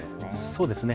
そうですね。